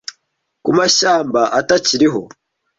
ku mashyamba atakiriho